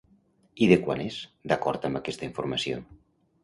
I de quan és, d'acord amb aquesta informació?